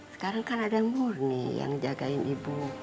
sekarang kan ada yang murni yang jagain ibu